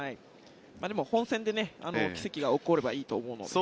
でも、本戦で奇跡が起こればいいと思うので。